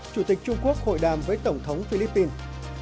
chủ tịch trung quốc hội đàm với tổng thống philippines